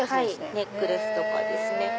ネックレスとかですね。